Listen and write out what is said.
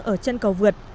ở chân cầu vượt